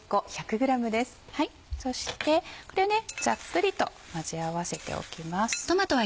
そしてこれをざっくりと混ぜ合わせておきます。